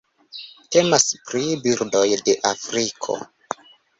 Temas pri birdoj de Afriko.